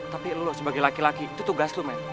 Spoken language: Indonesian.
tapi lu sebagai laki laki itu tugas lu man